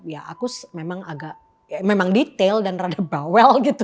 ya aku memang agak memang detail dan rada bawell gitu